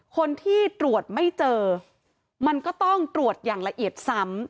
คนที่ตรวจไม่เจอมันก็ต้องตรวจอย่างละเอียดซ้ำ